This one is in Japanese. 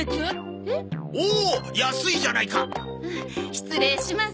失礼します。